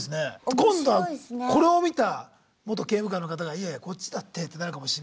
今度はこれを見た元刑務官の方がいやいやこっちだってってなるかもしれませんから。